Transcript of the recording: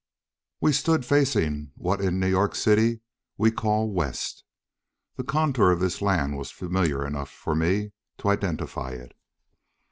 We stood facing what in New York City we call West. The contour of this land was familiar enough for me to identify it.